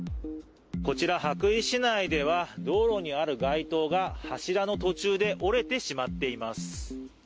こちら、羽咋市内では、道路にある街灯が柱の途中で折れてしまっています。